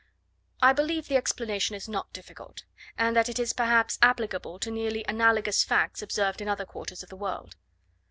I believe the explanation is not difficult, and that it is perhaps applicable to nearly analogous facts observed in other quarters of the world.